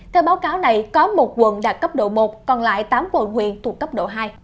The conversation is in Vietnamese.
theo báo cáo này có một quận đạt cấp độ một còn lại tám quận huyện thuộc cấp độ hai